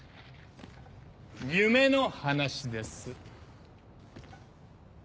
夢の話です。